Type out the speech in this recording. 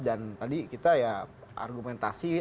dan tadi kita ya argumentasi